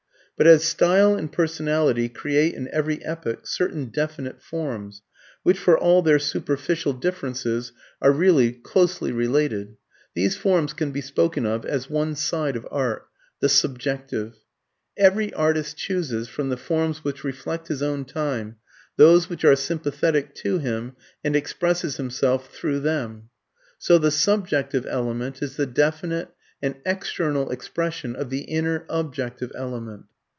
But as style and personality create in every epoch certain definite forms, which, for all their superficial differences, are really closely related, these forms can be spoken of as one side of art the SUBJECTIVE. Every artist chooses, from the forms which reflect his own time, those which are sympathetic to him, and expresses himself through them. So the subjective element is the definite and external expression of the inner, objective element.